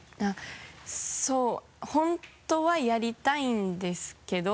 そう本当はやりたいんですけど。